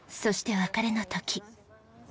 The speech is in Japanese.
そして別れの時。